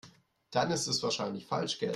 Dann ist es wahrscheinlich Falschgeld.